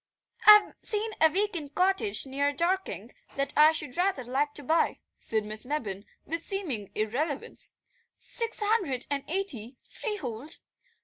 "I've seen a week end cottage near Dorking that I should rather like to buy," said Miss Mebbin with seeming irrelevance. "Six hundred and eighty, freehold.